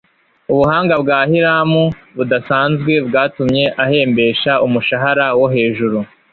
ubuhanga bwa hiramu budasanzwe bwatumye ahembesha umushahara wo hejuru